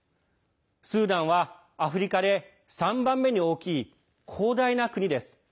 スーダンはアフリカで３番目に大きい広大な国です。